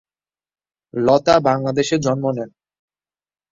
লতা বাংলাদেশে জন্ম নেন।